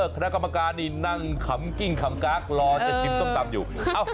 คณะกรรมการนี่นั่งขำกิ้งขำก๊ากรอจะชิมส้มตำอยู่